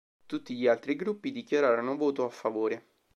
Tutti gli altri gruppi dichiararono voto a favore.